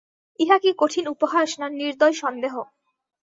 ইহা কি কঠিন উপহাস, না নির্দয় সন্দেহ?